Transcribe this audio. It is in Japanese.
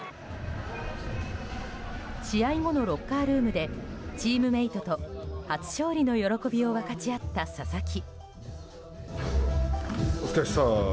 試合後のロッカールームでチームメートと初勝利の喜びを分かち合った佐々木。